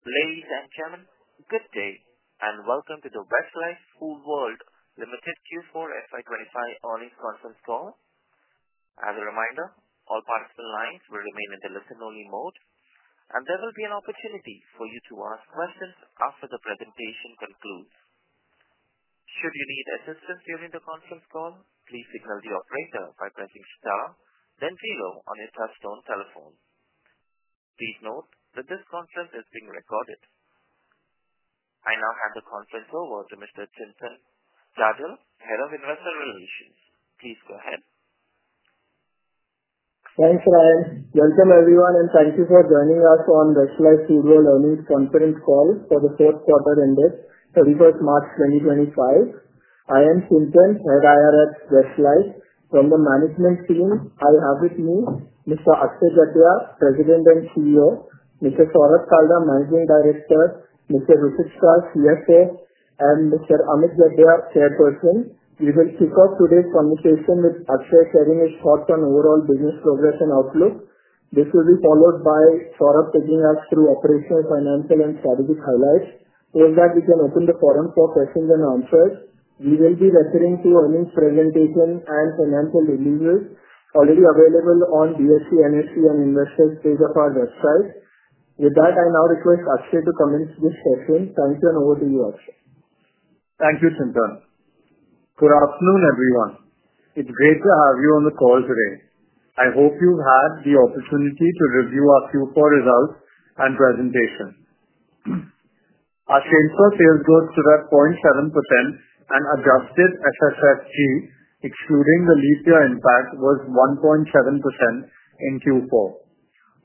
Ladies and gentlemen, good day and welcome to the Westlife Foodworld Limited Q4 FY2025 earnings conference call. As a reminder, all participant lines will remain in the listen-only mode, and there will be an opportunity for you to ask questions after the presentation concludes. Should you need assistance during the conference call, please signal the operator by pressing star, then zero on your touchstone telephone. Please note that this conference is being recorded. I now hand the conference over to Mr. Chintan Jajal, Head of Investor Relations. Please go ahead. Thanks, Ryan. Welcome everyone, and thank you for joining us on Westlife Foodworld earnings conference call for the fourth quarter ended 31 March 2025. I am Chintan, Head IR at Westlife. From the management team, I have with me Mr. Akshay Jatia, President and CEO; Mr. Saurabh Kalra, Managing Director; Mr. Hrushit Shah, CFO; and Mr. Amit Jatia, Chairperson. We will kick off today's conversation with Akshay sharing his thoughts on overall business progress and outlook. This will be followed by Saurabh taking us through operational, financial, and strategic highlights. So that we can open the forum for questions and answers, we will be referring to earnings presentation and financial releases already available on BSE, NSE, and Investor's page of our website. With that, I now request Akshay to commence this session. Thank you, and over to you, Akshay. Thank you, Chintan. Good afternoon, everyone. It's great to have you on the call today. I hope you've had the opportunity to review our Q4 results and presentation. Our share for sales growth stood at 0.7%, and adjusted SSSG, excluding the leap year impact, was 1.7% in Q4.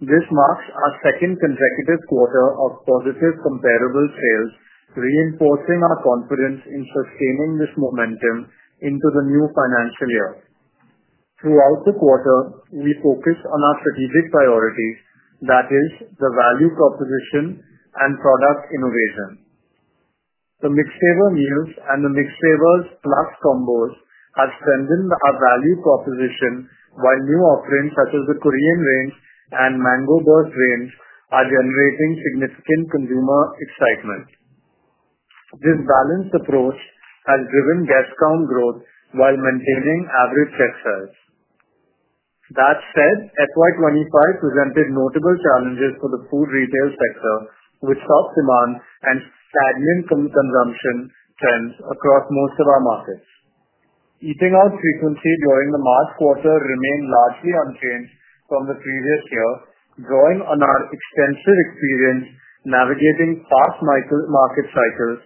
This marks our second consecutive quarter of positive comparable sales, reinforcing our confidence in sustaining this momentum into the new financial year. Throughout the quarter, we focused on our strategic priorities, that is, the value proposition and product innovation. The McSaver meals and the McSaver plus combos have strengthened our value proposition, while new offerings such as the Korean Range and Mango Burst Range are generating significant consumer excitement. This balanced approach has driven guest count growth while maintaining average check size. That said, FY 2025 presented notable challenges for the food retail sector, with soft demand and stagnant consumption trends across most of our markets. Eating-out frequency during the March quarter remained largely unchanged from the previous year. Drawing on our extensive experience navigating fast market cycles,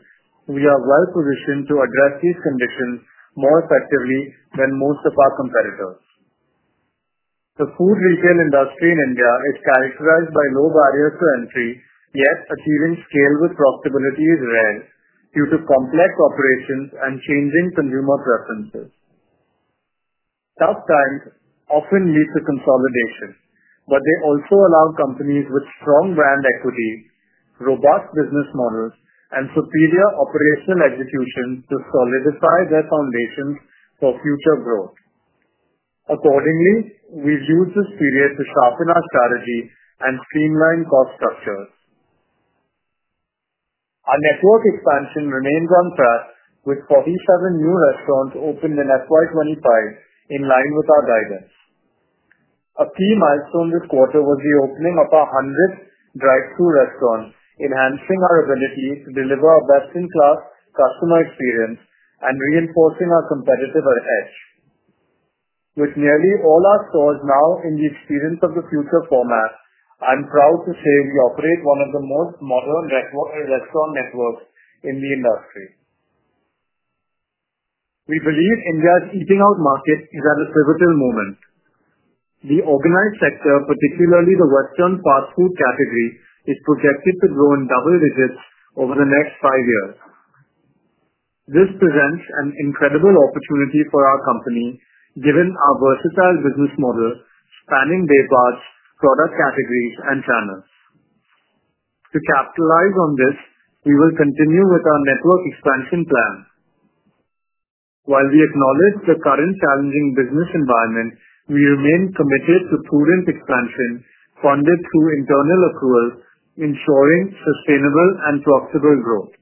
we are well-positioned to address these conditions more effectively than most of our competitors. The food retail industry in India is characterized by low barriers to entry, yet achieving scale with profitability is rare due to complex operations and changing consumer preferences. Tough times often lead to consolidation, but they also allow companies with strong brand equity, robust business models, and superior operational execution to solidify their foundations for future growth. Accordingly, we have used this period to sharpen our strategy and streamline cost structures. Our network expansion remains on track, with 47 new restaurants opened in FY 2025 in line with our guidance. A key milestone this quarter was the opening of our 100 drive-thru restaurants, enhancing our ability to deliver a best-in-class customer experience and reinforcing our competitive edge. With nearly all our stores now in the Experience of the Future format, I'm proud to say we operate one of the most modern restaurant networks in the industry. We believe India's eating-out market is at a pivotal moment. The organized sector, particularly the Western fast food category, is projected to grow in double digits over the next five years. This presents an incredible opportunity for our company, given our versatile business model spanning departments, product categories, and channels. To capitalize on this, we will continue with our network expansion plan. While we acknowledge the current challenging business environment, we remain committed to prudent expansion funded through internal accrual, ensuring sustainable and profitable growth.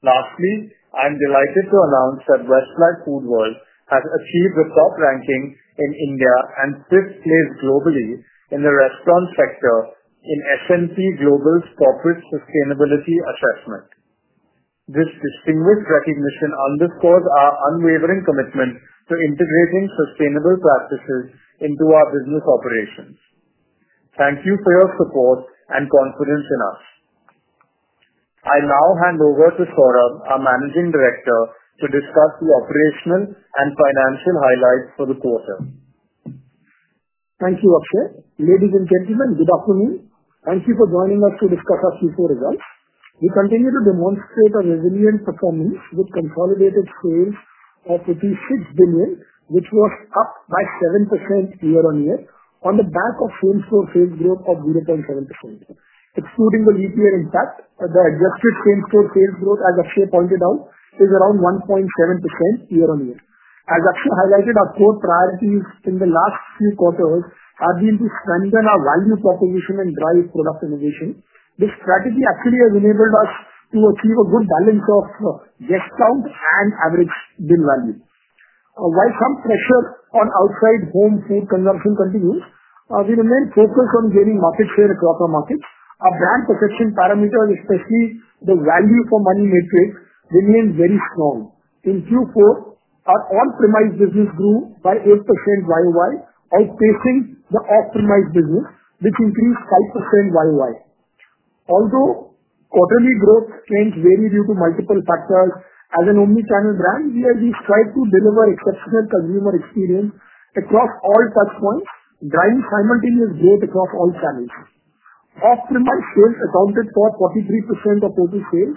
Lastly, I'm delighted to announce that Westlife Foodworld has achieved a top ranking in India and fifth place globally in the restaurant sector in S&P Global's Corporate Sustainability Assessment. This distinguished recognition underscores our unwavering commitment to integrating sustainable practices into our business operations. Thank you for your support and confidence in us. I now hand over to Saurabh, our Managing Director, to discuss the operational and financial highlights for the quarter. Thank you, Akshay. Ladies and gentlemen, good afternoon. Thank you for joining us to discuss our Q4 results. We continue to demonstrate a resilient performance with consolidated sales of rupees 6 billion, which was up by 7% year-on-year on the back of same-store sales growth of 0.7%. Excluding the leap year impact, the adjusted same-store sales growth, as Akshay pointed out, is around 1.7% year-on-year. As Akshay highlighted, our core priorities in the last few quarters have been to strengthen our value proposition and drive product innovation. This strategy actually has enabled us to achieve a good balance of guest count and average meal value. While some pressure on outside home food consumption continues, we remain focused on gaining market share across our markets. Our brand perception parameters, especially the value-for-money matrix, remained very strong. In Q4, our on-premise business grew by 8% YoY, outpacing the off-premise business, which increased 5% YoY. Although quarterly growth can vary due to multiple factors, as an omnichannel brand, we have strived to deliver exceptional consumer experience across all touchpoints, driving simultaneous growth across all channels. Off-premise sales accounted for 43% of total sales,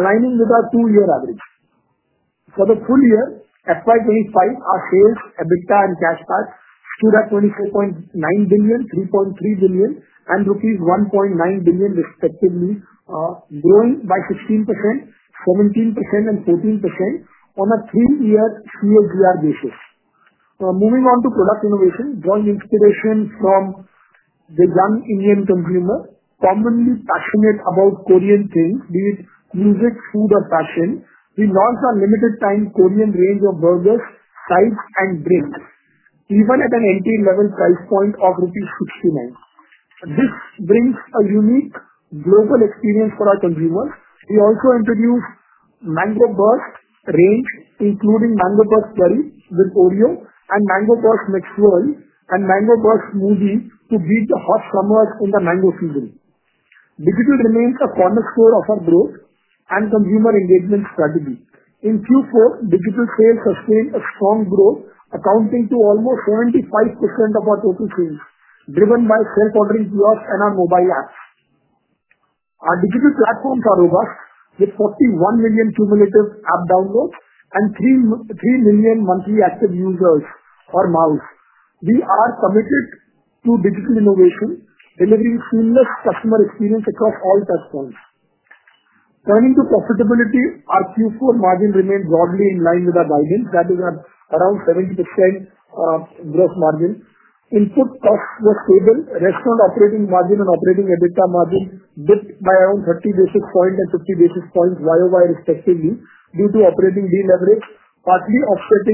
aligning with our two-year average. For the full year 2025, our sales, EBITDA and cash PAT, stood at 24.9 billion, 3.3 billion, and rupees 1.9 billion, respectively, growing by 16%, 17%, and 14% on a three-year CAGR basis. Moving on to product innovation, drawing inspiration from the young Indian consumer, commonly passionate about Korean things, be it music, food, or fashion, we launched our limited-time Korean range of burgers, sides, and drinks, even at an entry-level price point of INR 69. This brings a unique global experience for our consumers. We also introduced Mango Burst range, including Mango Burst McFlurry with Oreo and Mango Burst McSwirl and Mango Burst Smoothie to beat the hot summers in the mango season. Digital remains a cornerstone of our growth and consumer engagement strategy. In Q4, digital sales sustained a strong growth, accounting for almost 75% of our total sales, driven by self-ordering kiosks and our mobile apps. Our digital platforms are robust, with 41 million cumulative app downloads and 3 million monthly active users or MAUs. We are committed to digital innovation, delivering seamless customer experience across all touchpoints. Turning to profitability, our Q4 margin remained broadly in line with our guidance, that is, around 70% gross margin. Input costs were stable. Restaurant operating margin and operating EBITDA margin dipped by around 30 basis points and 50 basis points YoY, respectively, due to operating deleverage, partly offset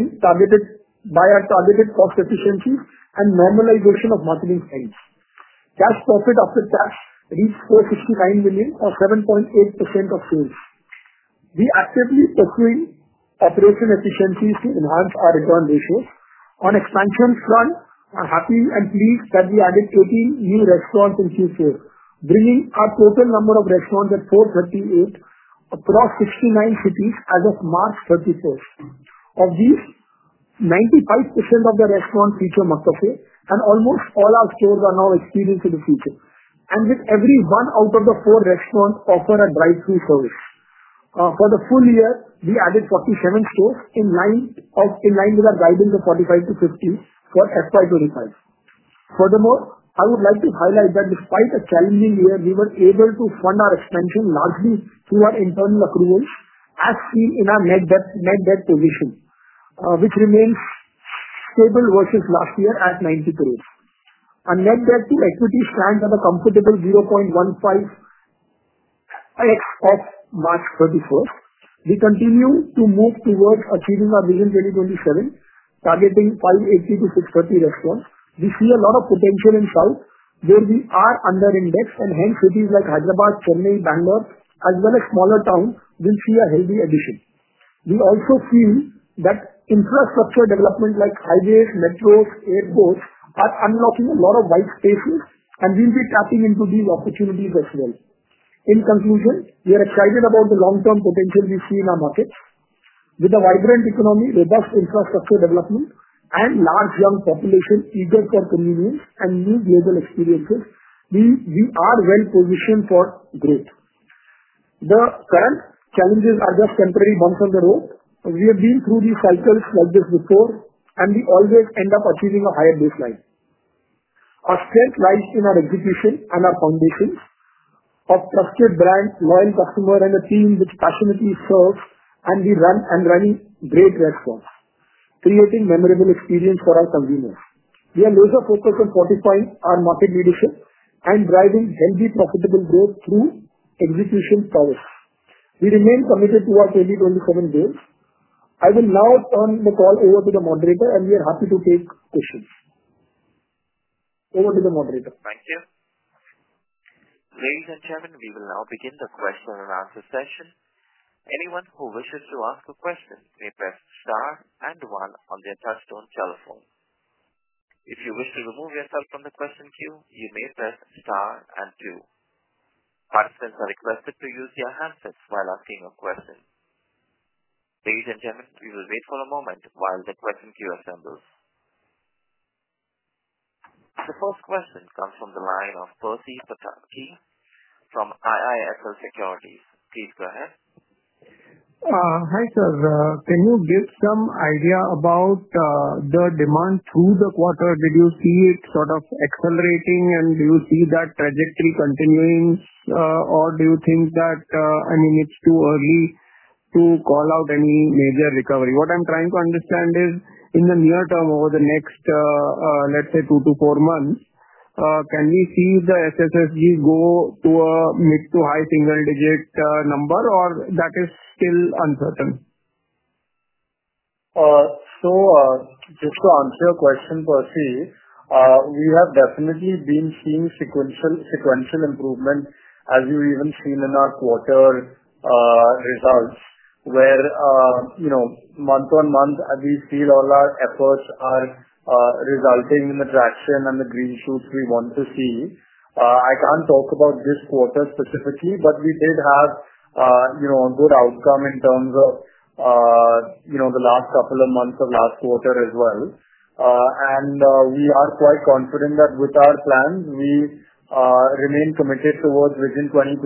by our targeted cost efficiencies and normalization of marketing spend. Cash profit after tax reached 469 million, or 7.8% of sales. We are actively pursuing operation efficiencies to enhance our return ratios. On the expansion front, we are happy and pleased that we added 18 new restaurants in Q4, bringing our total number of restaurants to 438 across 69 cities as of March 31st. Of these, 95% of the restaurants feature McCafe, and almost all our stores are now Experience of the Future. Every one out of four restaurants offer a drive-thru service. For the full year, we added 47 stores in line with our guidance of 45-50 for FY 2025. Furthermore, I would like to highlight that despite a challenging year, we were able to fund our expansion largely through our internal accruals, as seen in our net debt position, which remains stable versus last year at 900,000,000. Our net debt to equity stands at a comfortable 0.15x as of March 31st. We continue to move towards achieving our vision 2027, targeting 580-630 restaurants. We see a lot of potential in South, where we are underindexed, and hence cities like Hyderabad, Chennai, Bangalore, as well as smaller towns, will see a healthy addition. We also feel that infrastructure development like highways, metros, and airports are unlocking a lot of white spaces, and we will be tapping into these opportunities as well. In conclusion, we are excited about the long-term potential we see in our markets. With a vibrant economy, robust infrastructure development, and large young population eager for convenience and new global experiences, we are well-positioned for growth. The current challenges are just temporary bumps on the road. We have been through these cycles like this before, and we always end up achieving a higher baseline. Our strength lies in our execution and our foundations of trusted brand, loyal customers, and a team which passionately serves and run great restaurants, creating memorable experiences for our consumers. We are laser-focused on fortifying our market leadership and driving healthy, profitable growth through execution prowess. We remain committed to our 2027 goals. I will now turn the call over to the moderator, and we are happy to take questions. Over to the moderator. Thank you. Ladies and gentlemen, we will now begin the question and answer session. Anyone who wishes to ask a question may press star and one on their touchstone telephone. If you wish to remove yourself from the question queue, you may press star and two. Participants are requested to use their handsets while asking a question. Ladies and gentlemen, we will wait for a moment while the question queue assembles. The first question comes from the line of Percy Panthaki from IIFL Securities. Please go ahead. Hi sir. Can you give some idea about the demand through the quarter? Did you see it sort of accelerating, and do you see that trajectory continuing, or do you think that, I mean, it's too early to call out any major recovery? What I'm trying to understand is, in the near term, over the next, let's say, two to four months, can we see the SSSG go to a mid to high single-digit number, or that is still uncertain? Just to answer your question, Percy, we have definitely been seeing sequential improvement, as you have even seen in our quarter results, where month on month, as we see all our efforts resulting in the traction and the green shoots we want to see. I cannot talk about this quarter specifically, but we did have a good outcome in terms of the last couple of months of last quarter as well. We are quite confident that with our plans, we remain committed towards vision 2027,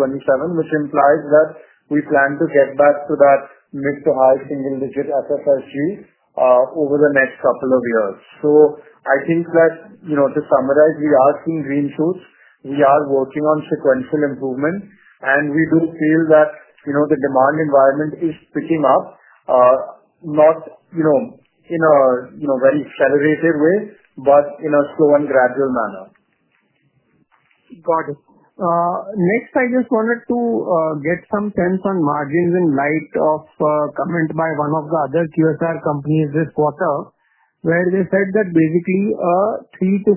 which implies that we plan to get back to that mid to high single-digit SSSG over the next couple of years. I think that to summarize, we are seeing green shoots. We are working on sequential improvement, and we do feel that the demand environment is picking up, not in a very accelerated way, but in a slow and gradual manner. Got it. Next, I just wanted to get some sense on margins in light of a comment by one of the other QSR companies this quarter, where they said that basically a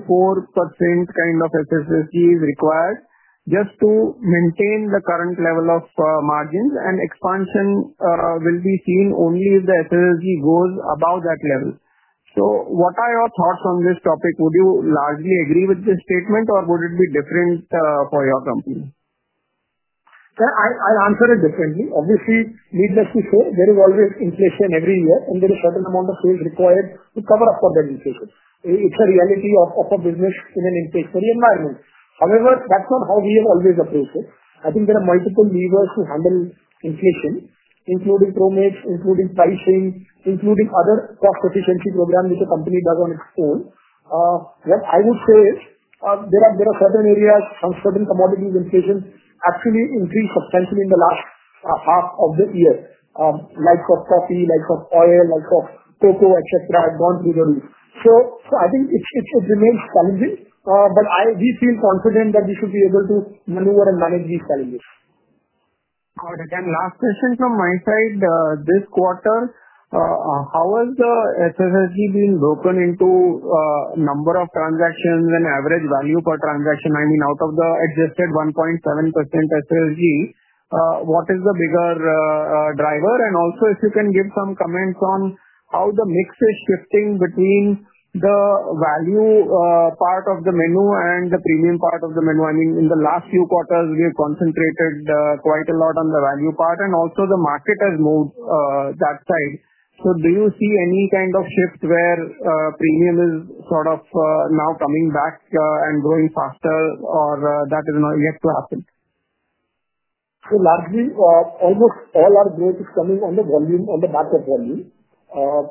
3%-4% kind of SSSG is required just to maintain the current level of margins, and expansion will be seen only if the SSSG goes above that level. What are your thoughts on this topic? Would you largely agree with this statement, or would it be different for your company? Yeah, I'll answer it differently. Obviously, needless to say, there is always inflation every year, and there is a certain amount of sales required to cover up for that inflation. It's a reality of a business in an inflationary environment. However, that's not how we have always appraised it. I think there are multiple levers to handle inflation, including probates, including pricing, including other cost efficiency programs which a company does on its own. What I would say is there are certain areas, some certain commodities' inflation actually increased substantially in the last half of the year. Likes of coffee, likes of oil, likes of cocoa, et cetera, have gone through the roof. I think it remains challenging, but we feel confident that we should be able to maneuver and manage these challenges. Got it. Last question from my side. This quarter, how has the SSSG been broken into number of transactions and average value per transaction? I mean, out of the adjusted 1.7% SSSG, what is the bigger driver? Also, if you can give some comments on how the mix is shifting between the value part of the menu and the premium part of the menu. I mean, in the last few quarters, we have concentrated quite a lot on the value part, and also the market has moved that side. Do you see any kind of shift where premium is sort of now coming back and growing faster, or that is not yet to happen? Largely, almost all our growth is coming on the volume, on the market volume,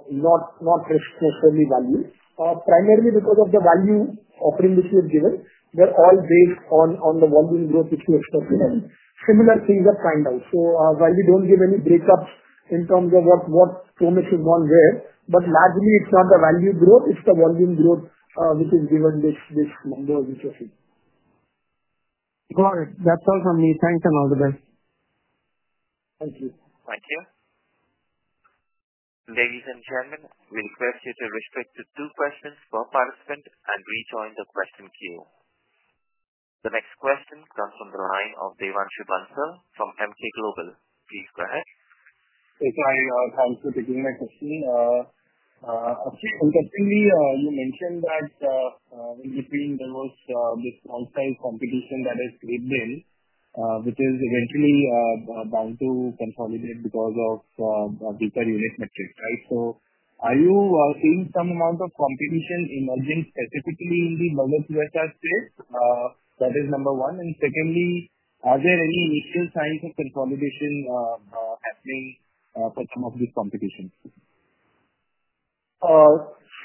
not necessarily value. Primarily because of the value offering which we have given, we're all based on the volume growth which we expect to have. Similar things have kind of. While we don't give any breakups in terms of what promises one wears, but largely, it's not the value growth, it's the volume growth which is given this number which you see. Got it. That's all from me. Thanks and all the best. Thank you. Thank you. Ladies and gentlemen, we request you to restrict to two questions per participant and rejoin the question queue. The next question comes from the line of Devanshu Bansal from Emkay Global. Please go ahead. Yes, I'm happy to take my question. Actually, interestingly, you mentioned that in between there was this on-site competition that has creeped in, which is eventually bound to consolidate because of the unit metrics, right? Are you seeing some amount of competition emerging specifically in the mother QSR space? That is number one. Secondly, are there any initial signs of consolidation happening for some of these competitions?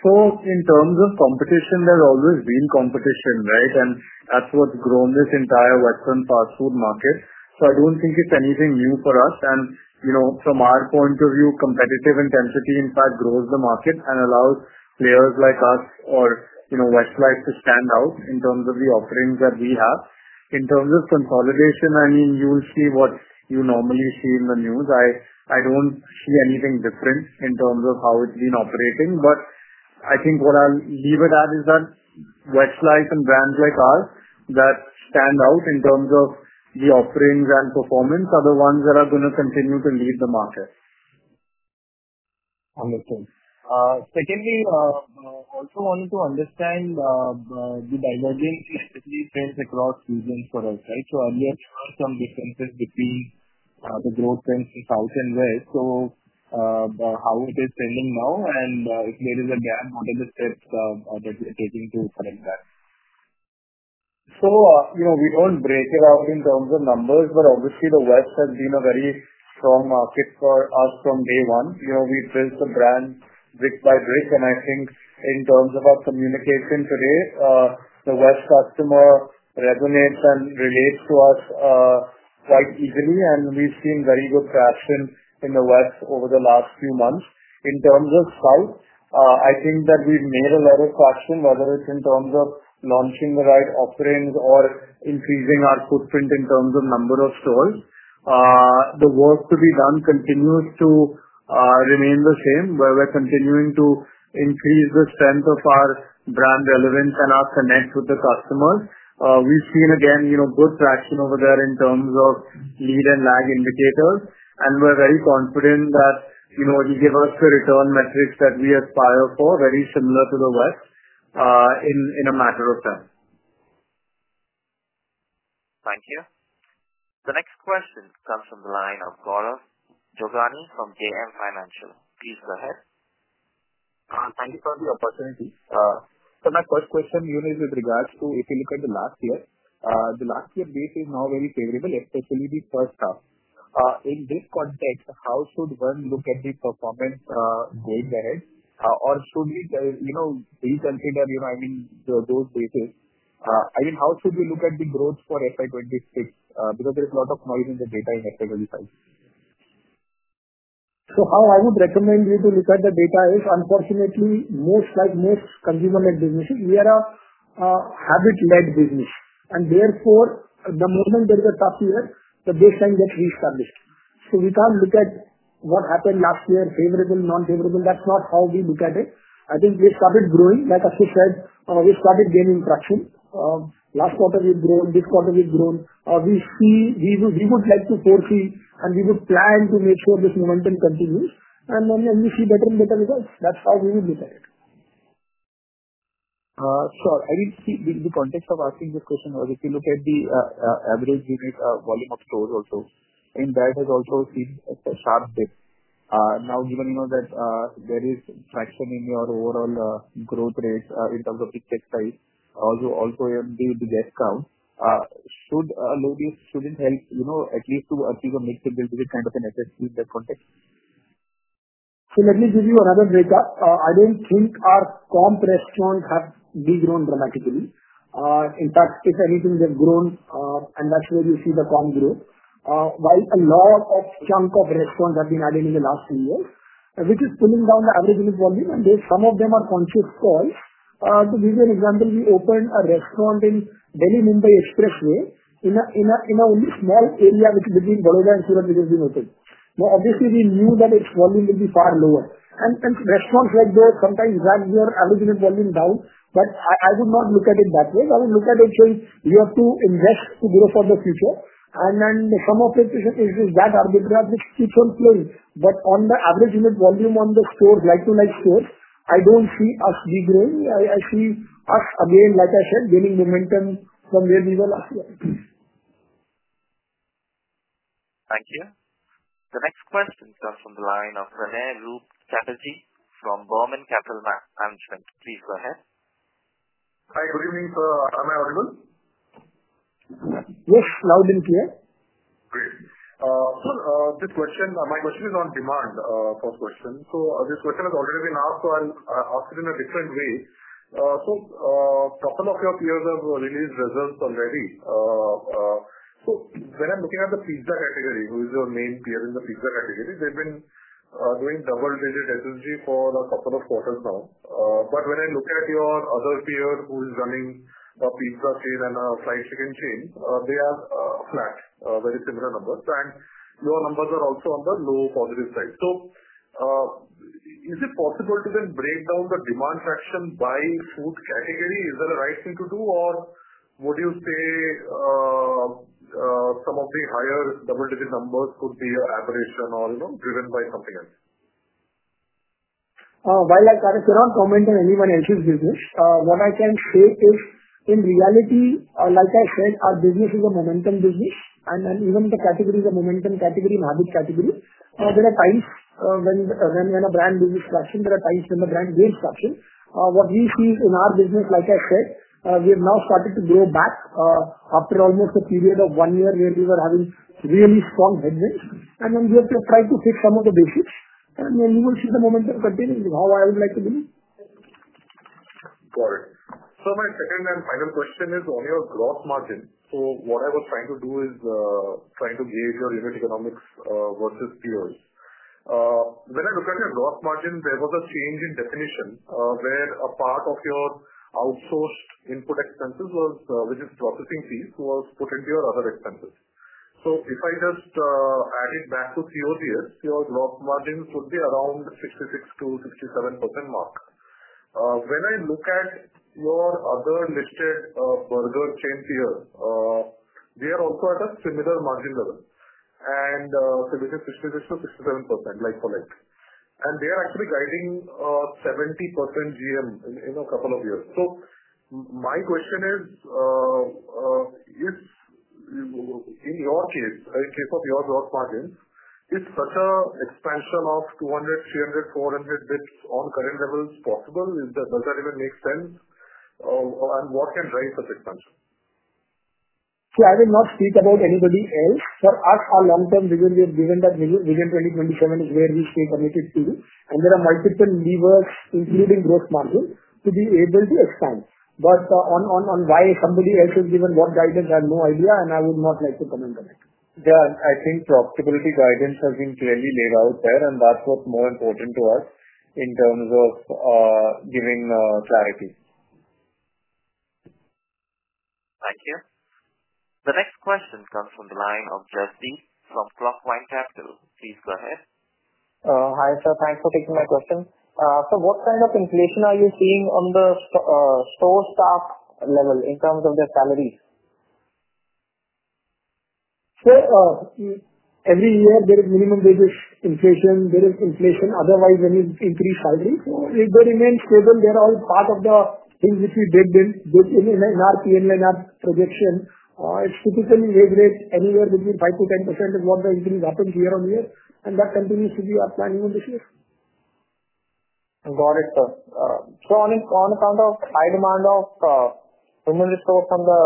In terms of competition, there's always been competition, right? That's what's grown this entire western fast food market. I don't think it's anything new for us. From our point of view, competitive intensity, in fact, grows the market and allows players like us or Westlife to stand out in terms of the offerings that we have. In terms of consolidation, I mean, you'll see what you normally see in the news. I don't see anything different in terms of how it's been operating. I think what I'll leave it at is that Westlife and brands like ours that stand out in terms of the offerings and performance are the ones that are going to continue to lead the market. Understood. Secondly, I also wanted to understand the divergence in SSSG trends across regions for us, right? Earlier, there were some differences between the growth trends in South and West. How is it trending now? If there is a gap, what are the steps that you're taking to correct that? We do not break it out in terms of numbers, but obviously, the west has been a very strong market for us from day one. We built the brand brick-by-brick. I think in terms of our communication today, the West customer resonates and relates to us quite easily, and we have seen very good traction in the West over the last few months. In terms of South, I think that we have made a lot of traction, whether it is in terms of launching the right offerings or increasing our footprint in terms of number of stores. The work to be done continues to remain the same, where we are continuing to increase the strength of our brand relevance and our connect with the customers. We have seen, again, good traction over there in terms of lead and lag indicators. We're very confident that you give us the return metrics that we aspire for, very similar to the West in a matter of time. Thank you. The next question comes from the line of Gaurav Jovani from JM Financial. Please go ahead. Thank you for the opportunity. My first question is with regards to if you look at the last year, the last year's base is now very favorable, especially the first half. In this context, how should one look at the performance going ahead? Or should we reconsider, I mean, those bases? I mean, how should we look at the growth for FY 2026? Because there is a lot of noise in the data in FY 2025. How I would recommend you to look at the data is, unfortunately, most consumer-led businesses, we are a habit-led business. Therefore, the moment there is a tough year, the baseline gets reestablished. We cannot look at what happened last year, favorable, non-favorable. That is not how we look at it. I think we started growing, like Akshay said, we started gaining traction. Last quarter we have grown, this quarter we have grown. We would like to foresee, and we would plan to make sure this momentum continues. Then we see better and better results. That is how we would look at it. Sure. I mean, the context of asking this question was, if you look at the average unit volume of stores also, I mean, that has also seen a sharp dip. Now, given that there is traction in your overall growth rate in terms of the check size, also with the guest count, a low base shouldn't help at least to achieve a mid-single-digit kind of an SSSG in that context? Let me give you another breakup. I do not think our comp restaurants have grown dramatically. In fact, if anything, they have grown, and that is where you see the comp growth. While a lot of chunks of restaurants have been added in the last few years, which is pulling down the average unit volume, and some of them are conscious calls. To give you an example, we opened a restaurant in Delhi-Mumbai Expressway in a small area between Baroda and Surat, which has been open. Now, obviously, we knew that its volume will be far lower. And restaurants like those sometimes have their average unit volume down, but I would not look at it that way. I would look at it saying, "You have to invest to grow for the future." Then some of it is that arbitrary, which keeps on playing. On the average unit volume on the stores, like-to-like stores, I do not see us degrading. I see us, again, like I said, gaining momentum from where we were last year. Thank you. The next question comes from the line of Pranay Roop Chatterjee from Burman Capital Management. Please go ahead. Hi, good evening. Am I audible? Yes, loud and clear. Great. This question, my question is on demand, first question. This question has already been asked, so I'll ask it in a different way. A couple of your peers have released results already. When I'm looking at the pizza category, who is your main peer in the pizza category, they've been doing double-digit SSSG for a couple of quarters now. When I look at your other peer who is running a pizza chain and a fried chicken chain, they are flat, very similar numbers. Your numbers are also on the low positive side. Is it possible to then break down the demand traction by food category? Is that the right thing to do, or would you say some of the higher double-digit numbers could be your aberration or driven by something else? While I cannot comment on anyone else's business, what I can say is, in reality, like I said, our business is a momentum business. Even the category is a momentum category, an avid category. There are times when a brand loses traction. There are times when the brand gains traction. What we see in our business, like I said, we have now started to grow back after almost a period of one year where we were having really strong headwinds. We have to try to fix some of the basics. You will see the momentum continue. How I would like to do it. Got it. So my second and final question is on your gross margin. What I was trying to do is trying to gauge your unit economics versus peers. When I look at your gross margin, there was a change in definition where a part of your outsourced input expenses, which is processing fees, was put into your other expenses. If I just add it back to cost of goods sold, your gross margin should be around 66%-67% mark. When I look at your other listed burger chain peers, they are also at a similar margin level. This is 66%-67%, like for like. They are actually guiding 70% gross margin in a couple of years. My question is, in your case, in case of your gross margin, is such an expansion of 200 basis points, 300 basis points, 400 basis points on current levels possible? Does that even make sense? What can drive such expansion? See, I will not speak about anybody else. For us, our long-term vision, we have given that vision 2027 is where we stay committed to. There are multiple levers, including gross margin, to be able to expand. On why somebody else has given what guidance, I have no idea, and I would not like to comment on it. Yeah, I think profitability guidance has been clearly laid out there, and that's what's more important to us in terms of giving clarity. Thank you. The next question comes from the line of Jasdeep from Clockvine Capital. Please go ahead. Hi, sir. Thanks for taking my question. What kind of inflation are you seeing on the store staff level in terms of their salaries? Every year, there is minimum wage inflation. There is inflation. Otherwise, when you increase salaries, they remain stable. They're all part of the things which we built in our P&L and our projection. It's typically wage rate anywhere between 5-10% is what the increase happens year on year. That continues to be our plan even this year. Got it, sir. On account of high demand of human resource on the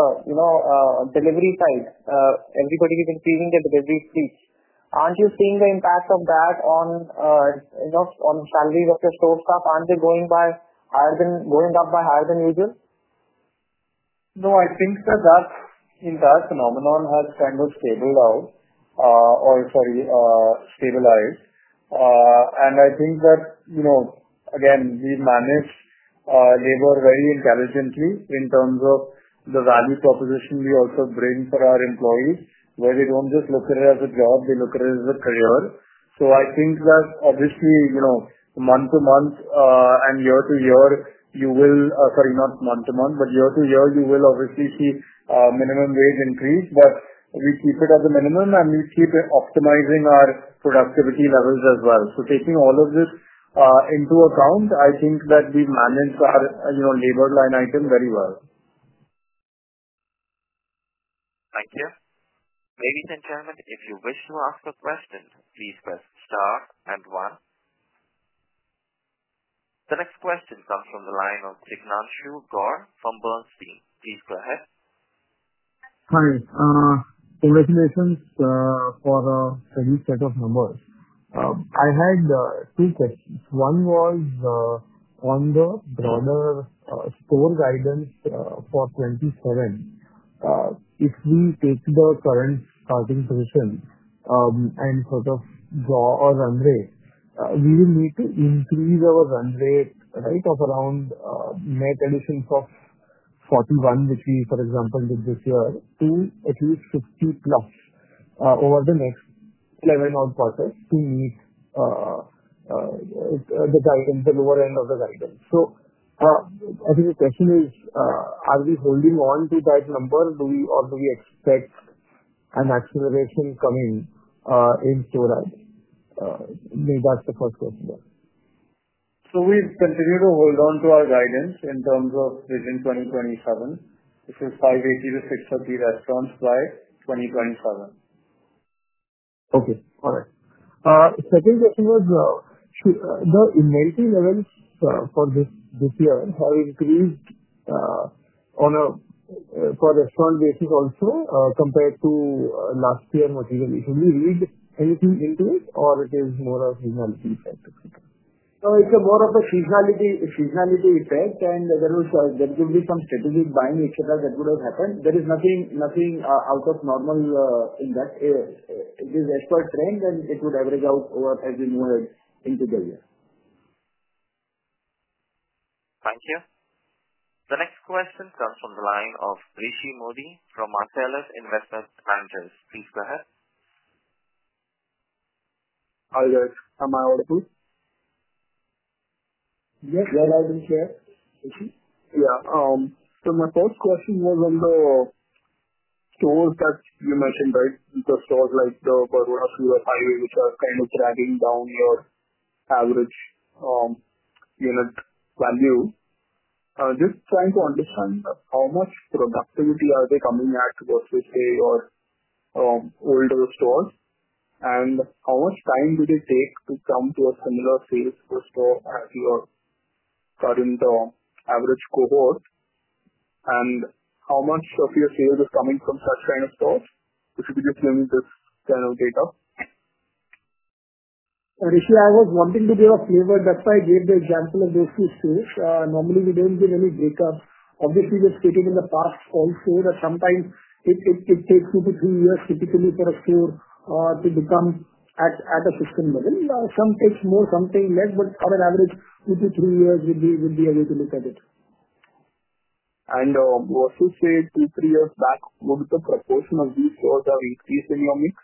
delivery side, everybody is increasing their delivery speeds. Aren't you seeing the impact of that on salaries of your store staff? Aren't they going up by higher than usual? No, I think that phenomenon has kind of stabilized, or, sorry, stabilized. I think that, again, we manage labor very intelligently in terms of the value proposition we also bring for our employees, where they do not just look at it as a job, they look at it as a career. I think that, obviously, year to year, you will, sorry, not month to month, but year to year, you will obviously see minimum wage increase. We keep it at the minimum, and we keep optimizing our productivity levels as well. Taking all of this into account, I think that we manage our labor line item very well. Thank you. Ladies and gentlemen, if you wish to ask a question, please press star and one. The next question comes from the line of Jignanshu Gor from Bernstein. Please go ahead. Hi. Congratulations for a heavy set of numbers. I had two questions. One was on the broader store guidance for 2027. If we take the current starting position and sort of draw a run rate, we will need to increase our run rate, right, of around net additions of 41, which we, for example, did this year, to at least 50 plus over the next 11 or quarters to meet the lower end of the guidance. I think the question is, are we holding on to that number, or do we expect an acceleration coming in store adds? Maybe that's the first question. We continue to hold on to our guidance in terms of vision 2027, which is 580-630 restaurants by 2027. Okay. All right. Second question was, the inventory levels for this year have increased for restaurant basis also compared to last year's material. Should we read anything into it, or it is more of a seasonality effect? It's more of a seasonality effect, and there will be some strategic buying, etc., that would have happened. There is nothing out of normal in that. It is a short trend, and it would average out as we move into the year. Thank you. The next question comes from the line of Rishi Mody from Marcellus Investment Managers. Please go ahead. Hi, guys. Am I audible? Yes, I can hear you. Yeah. My first question was on the stores that you mentioned, right? The stores like the Badora-Surat highway, which are kind of dragging down your average unit value. Just trying to understand how much productivity are they coming at versus, say, your older stores? How much time do they take to come to a similar sales per store as your current average cohort? How much of your sales is coming from such kind of stores? If you could just give me this kind of data. Rishi, I was wanting to give a flavor. That's why I gave the example of those two stores. Normally, we don't give any breakups. Obviously, we've stated in the past also that sometimes it takes two to three years, typically, for a store to become at a system level. Some take more, some take less, but on an average, two to three years would be a way to look at it. Versus say, two to three years back, would the proportion of these stores have increased in your mix?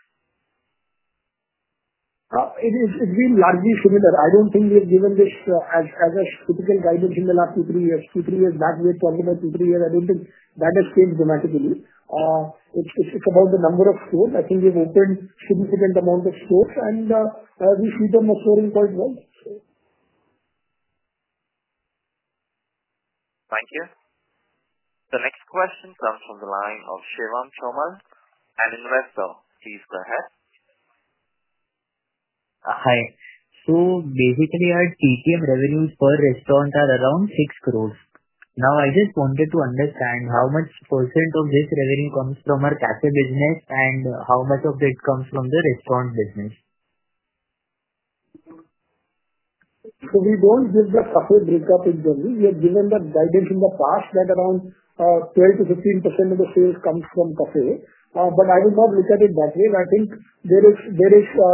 It's been largely similar. I don't think we have given this as a typical guidance in the last two to three years. Two to three years back, we had talked about two to three years. I don't think that has changed dramatically. It's about the number of stores. I think we've opened a significant amount of stores, and we see them scoring quite well. Thank you. The next question comes from the line of Shivam Chomal, an investor. Please go ahead. Hi. So basically, our TTM revenues per restaurant are around 60,000,000. Now, I just wanted to understand how much % of this revenue comes from our cafe business and how much of it comes from the restaurant business. We do not give the cafe breakup in general. We have given that guidance in the past that around 12%-15% of the sales comes from cafe. I will not look at it that way. I think there is a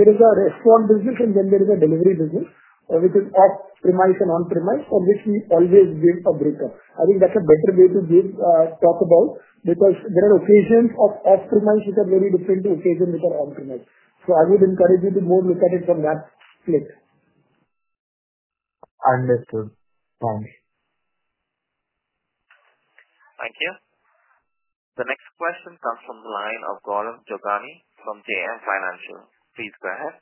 restaurant business, and then there is a delivery business, which is off-premise and on-premise, for which we always give a breakup. I think that is a better way to talk about it because there are occasions of off-premise which are very different to occasions which are on-premise. I would encourage you to more look at it from that split. Understood. Thanks. Thank you. The next question comes from the line of Gaurav Jovani from JM Financial. Please go ahead.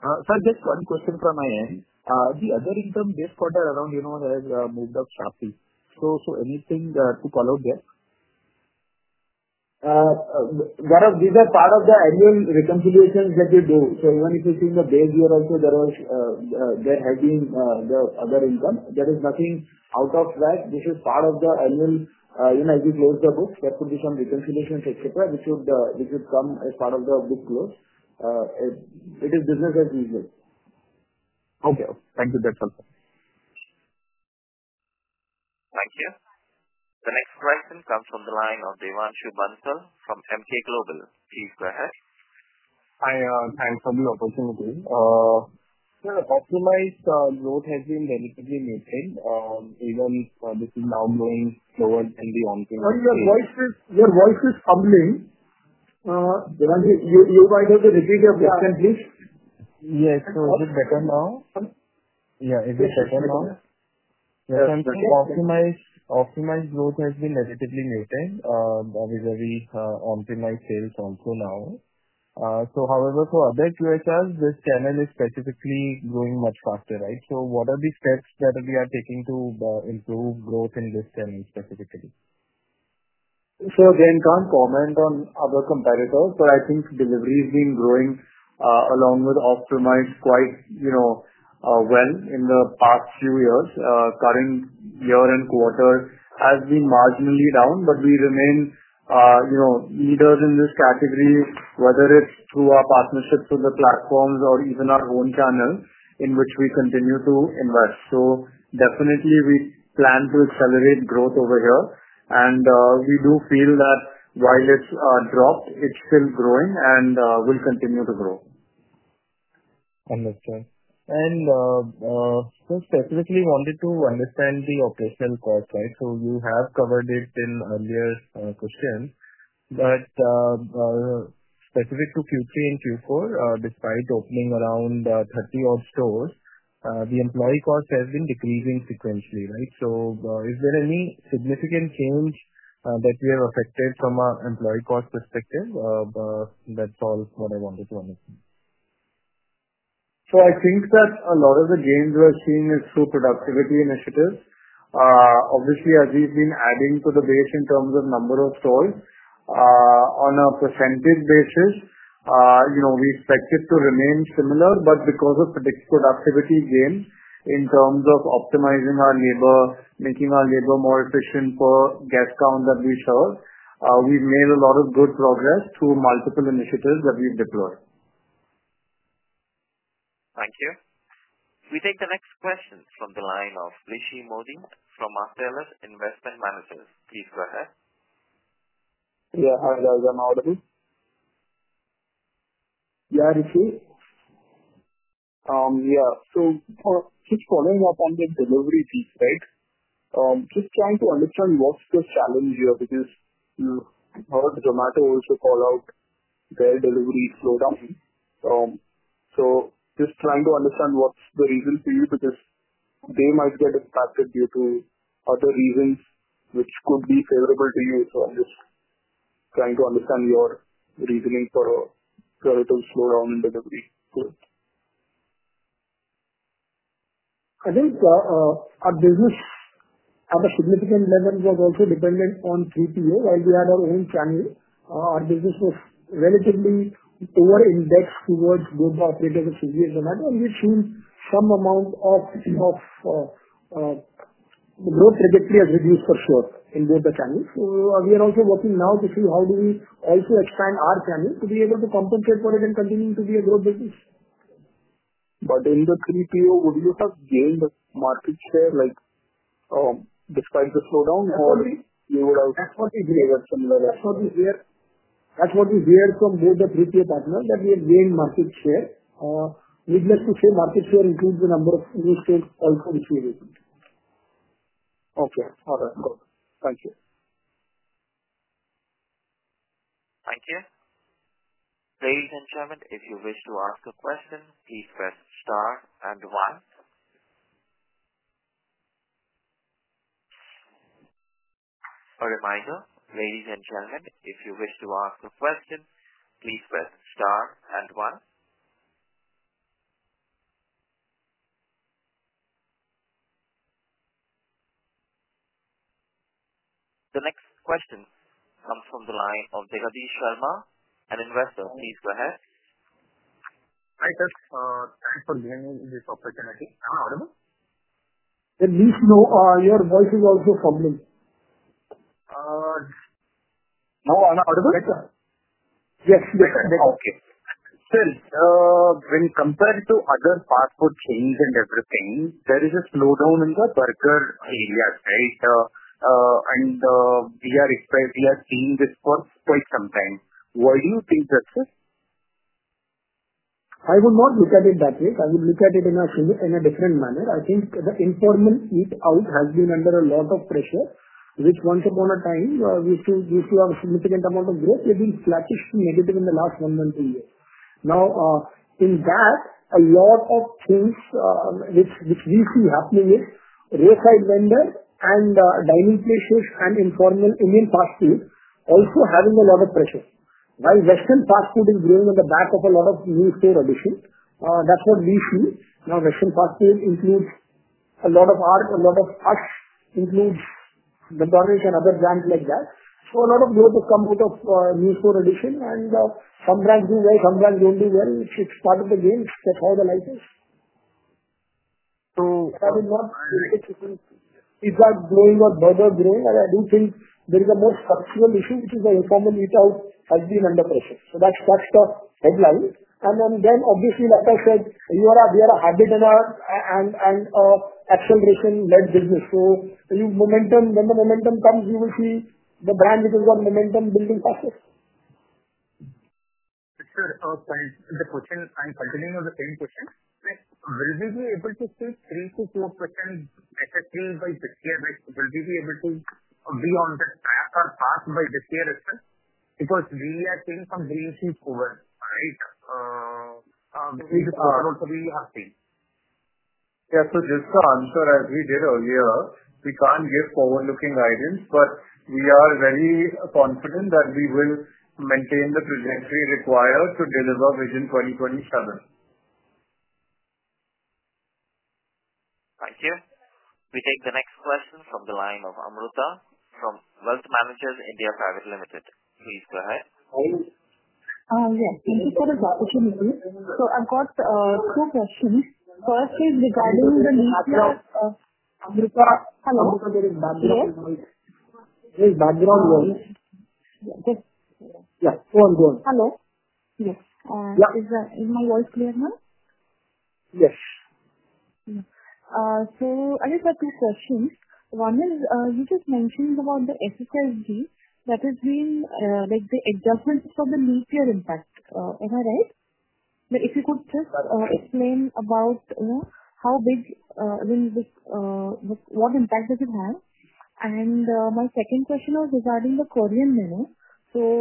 Sir, just one question from my end. The other income basis for that around has moved up sharply. So anything to call out there? Gaurav, these are part of the annual reconciliations that we do. Even if you have seen the base year also, there has been the other income. There is nothing out of that. This is part of the annual as we close the book. There could be some reconciliations, etc., which would come as part of the book close. It is business as usual. Okay. Thank you. That's helpful. Thank you. The next question comes from the line of Devanshu Bansal from Emkay Global. Please go ahead. Hi. Thanks for the opportunity. Sir, optimized growth has been relatively maintained. Even this is now going slower than the on-premise. Your voice is humbling. You might have the repeat of the sentence. Yes. Is it better now? Yeah. Is it better now? Yes. Yes. Optimized growth has been relatively maintained. There is very optimized sales also now. However, for other QSRs, this channel is specifically growing much faster, right? What are the steps that we are taking to improve growth in this channel specifically? Again, can't comment on other competitors, but I think delivery has been growing along with optimized quite well in the past few years. Current year and quarter has been marginally down, but we remain leaders in this category, whether it's through our partnerships with the platforms or even our own channel in which we continue to invest. Definitely, we plan to accelerate growth over here. We do feel that while it's dropped, it's still growing and will continue to grow. Understood. Specifically, wanted to understand the operational cost, right? You have covered it in earlier questions. Specific to Q3 and Q4, despite opening around 30-odd stores, the employee cost has been decreasing sequentially, right? Is there any significant change that we have affected from an employee cost perspective? That is all what I wanted to understand. I think that a lot of the gains we're seeing is through productivity initiatives. Obviously, as we've been adding to the base in terms of number of stores, on a percentage basis, we expect it to remain similar. Because of the productivity gain in terms of optimizing our labor, making our labor more efficient per guest count that we serve, we've made a lot of good progress through multiple initiatives that we've deployed. Thank you. We take the next question from the line of Rishi Mody from Marcellus Investment Managers. Please go ahead. Yeah. Hi, guys. Am I audible? Yeah, Rishi. Yeah. Just following up on the delivery piece, right? Just trying to understand what's the challenge here because you heard Zomato also call out their delivery slowdown. Just trying to understand what's the reason for you because they might get impacted due to other reasons which could be favorable to you. Just trying to understand your reasoning for a little slowdown in delivery. I think our business at a significant level was also dependent on 3PO. While we had our own channel, our business was relatively over-indexed towards both the operators of Swiggy and Zomato, and we've seen some amount of the growth trajectory has reduced for sure in both the channels. We are also working now to see how do we also expand our channel to be able to compensate for it and continue to be a growth business. In the 3PO, would you have gained market share despite the slowdown, or you would have? That's what we hear. That's what we hear. That's what we hear from both the 3PO partners, that we have gained market share. We'd like to say market share includes the number of new stores also this year. Okay. All right. Thank you. Thank you. Ladies and gentlemen, if you wish to ask a question, please press star and one. A reminder, ladies and gentlemen, if you wish to ask a question, please press star and one. The next question comes from the line of Devanshu Sharma, an investor. Please go ahead. Hi, sir. Thanks for giving me this opportunity. Am I audible? At least your voice is also humbling. No, I'm audible. Yes. Yes. Okay. Sir, when compared to other parts for change and everything, there is a slowdown in the burger areas, right? We are seeing this for quite some time. Why do you think that, sir? I would not look at it that way. I would look at it in a different manner. I think the informal eat-out has been under a lot of pressure, which once upon a time, we used to have a significant amount of growth. We've been flattish to negative in the last one or two years. Now, in that, a lot of things which we see happening is roadside vendors and dining places and informal Indian fast food also having a lot of pressure. While Western fast food is growing on the back of a lot of new store additions, that's what we see. Now, Western fast food includes a lot of QSR, includes McDonald's and other brands like that. So a lot of growth has come out of new store addition, and some brands do well, some brands don't do well. It's part of the game. That's how the life is. So. I will not say if that's growing or burger growing. I do think there is a more structural issue, which is the informal eat-out has been under pressure. That's the headline. Like I said, we are a habit and an acceleration-led business. When the momentum comes, you will see the brand which has got momentum building faster. Sir, the question I'm continuing on the same question. Will we be able to see 3%-4% SSSG by this year? Will we be able to be on the track or path by this year as well? Because we are seeing some green shoots over, right? We just want to know what we have seen. Yeah. So just to answer as we did earlier, we can't give forward-looking guidance, but we are very confident that we will maintain the trajectory required to deliver vision 2027. Thank you. We take the next question from the line of Amruta from Wealth Managers India Private Limited. Please go ahead. Yes. Thank you for this opportunity. So I've got two questions. First is regarding the need for Amruta. Hello. Yes. Is background noise? Yes. Yeah. Go on. Go on. Hello. Yes. Is my voice clear now? Yes. I just have two questions. One is you just mentioned about the SSSG that has been the adjustments for the mid-year impact. Am I right? If you could just explain about how big, what impact does it have? My second question was regarding the Korean menu.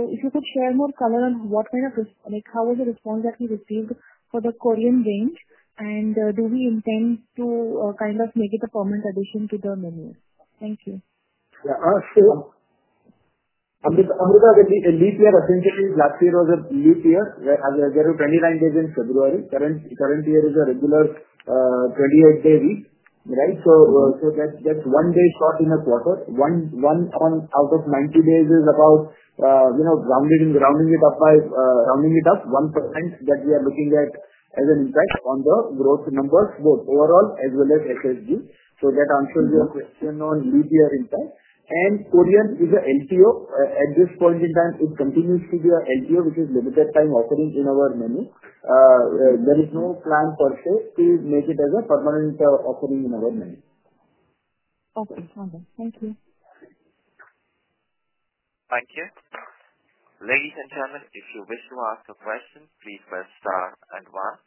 If you could share more color on what kind of, how was the response that we received for the Korean Range? Do we intend to kind of make it a permanent addition to the menu? Thank you. Yeah. Amruta, the mid-year essentially last year was a mid-year, right? There were 29 days in February. Current year is a regular 28-day week, right? That is one day short in a quarter. One out of 90 days is about, rounding it up, 1% that we are looking at as an impact on the growth numbers, both overall as well as SSSG. That answers your question on mid-year impact. Korean is an LTO at this point in time. It continues to be an LTO, which is limited-time offering in our menu. There is no plan per se to make it as a permanent offering in our menu. Okay. Thank you. Thank you. Ladies and gentlemen, if you wish to ask a question, please press star and one.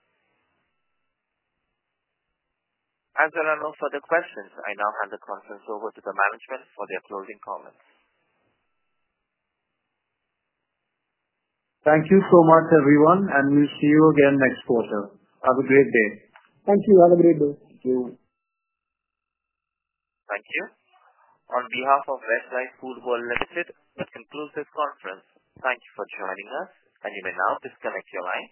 As there are no further questions, I now hand the conference over to the management for their closing comments. Thank you so much, everyone. We will see you again next quarter. Have a great day. Thank you. Have a great day. Thank you. Thank you. On behalf of Westlife Foodworld Limited, that concludes this conference. Thank you for joining us, and you may now disconnect your line.